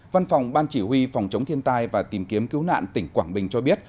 văn phòng ban chỉ huy phòng chống thiên tai và tìm kiếm cứu nạn tỉnh quảng bình cho biết